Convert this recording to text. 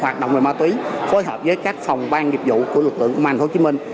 hoạt động về ma túy phối hợp với các phòng bang dịch vụ của lực lượng công an hồ chí minh